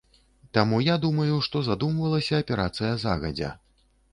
Таму я думаю, што задумвалася аперацыя загадзя.